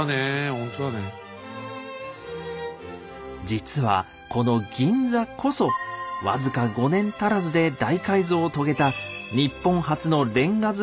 実はこの銀座こそ僅か５年足らずで大改造を遂げた